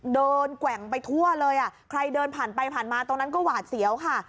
แกว่งไปทั่วเลยอ่ะใครเดินผ่านไปผ่านมาตรงนั้นก็หวาดเสียวค่ะ